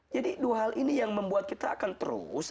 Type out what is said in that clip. jadi dua hal ini yang membuat kita akan terus